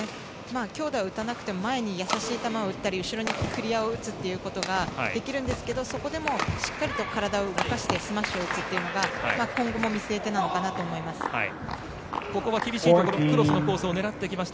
強打を打たなくても前に優しい球を打ったり後ろにクリアを打つっていうことができるんですがそこでもしっかりと体を動かしてスマッシュを打つということが今後も見据えてなのかなと思います。